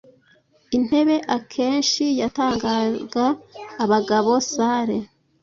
intebe akenshi yatangaga abagabo salle